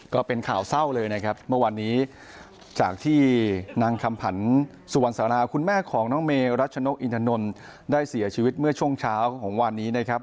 ก็เป็นข่าวเศร้าเลยนะครับเมื่อวานนี้จากที่นางคำผันสุวรรณสาราคุณแม่ของน้องเมรัชนกอินทนนท์ได้เสียชีวิตเมื่อช่วงเช้าของวันนี้นะครับ